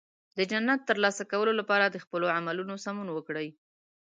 د جنت ترلاسه کولو لپاره د خپل عملونو سمون وکړئ.